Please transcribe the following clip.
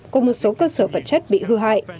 cùng một số cơ sở vật chất bị hư hại